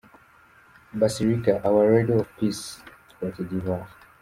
Basilica our Lady of Peace, Cote d’ ivoire.